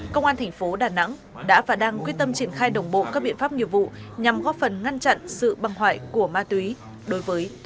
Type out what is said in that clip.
công an thành phố đà nẵng đã và đang quyết tâm triển khai đồng bộ các biện pháp nghiệp vụ nhằm góp phần ngăn chặn sự băng hoại của ma túy đối với